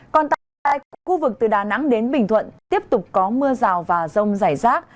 còn tại khu vực từ đà nẵng đến bình thuận tiếp tục có mưa rào và rông rải rác